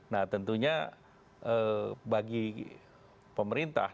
nah tentunya bagi pemerintah